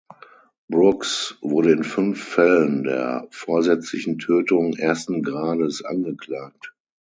Brooks wurde in fünf Fällen der vorsätzlichen Tötung ersten Grades angeklagt.